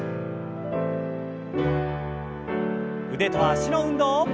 腕と脚の運動。